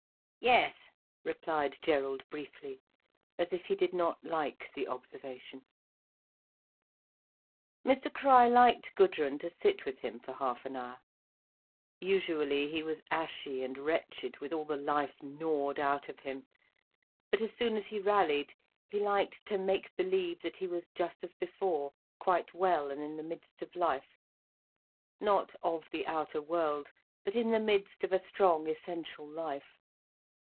"Yes," replied Gerald briefly, as if he did not like the observation. Mr Crich liked Gudrun to sit with him for half an hour. Usually he was ashy and wretched, with all the life gnawed out of him. But as soon as he rallied, he liked to make believe that he was just as before, quite well and in the midst of life—not of the outer world, but in the midst of a strong essential life.